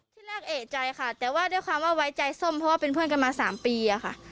ที่แรกเอกใจค่ะแต่ว่าด้วยความว่าไว้ใจส้มเพราะว่าเป็นเพื่อนกันมา๓ปีอะค่ะ